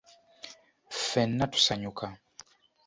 Ffeena tusanyuka.